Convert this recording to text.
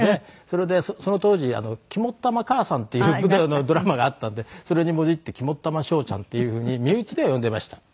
それでその当時『肝っ玉かあさん』っていうドラマがあったんでそれにもじって肝っ玉しょうちゃんっていうふうに身内では呼んでいました。